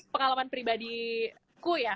pengalaman pribadiku ya